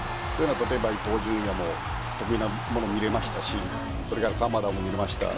例えば伊東純也の得意な物を見れましたし鎌田も見れました。